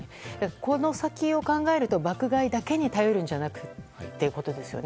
この先を考えると爆買いだけに頼るんじゃなくてということですよね。